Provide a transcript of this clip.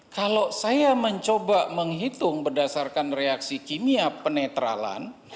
kalau saya mencoba menghitung berdasarkan reaksi kimia penetralan